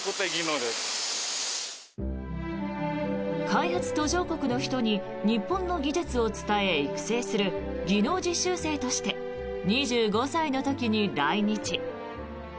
開発途上国の人に日本の技術を伝え、育成する技能実習生として２５歳の時に来日。